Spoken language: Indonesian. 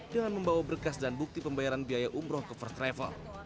dengan membawa berkas dan bukti pembayaran biaya umroh ke first travel